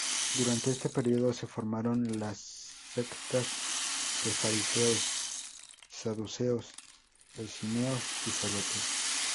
Durante este período se formaron las sectas de fariseos, saduceos, esenios y zelotes.